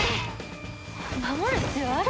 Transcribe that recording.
守る必要ある？